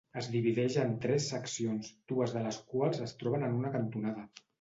Es divideix en tres seccions, dues de les quals es troben en una cantonada.